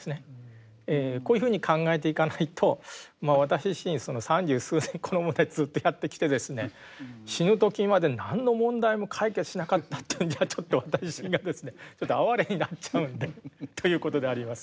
こういうふうに考えていかないと私自身三十数年この問題ずっとやってきてですね死ぬ時まで何の問題も解決しなかったというんじゃちょっと私自身がですねちょっと哀れになっちゃうんで。ということであります。